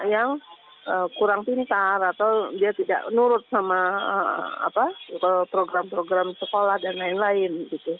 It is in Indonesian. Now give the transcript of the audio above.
yang kurang pintar atau dia tidak nurut sama program program sekolah dan lain lain